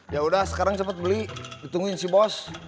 yaudah sekarang cepet beli ditungguin si bos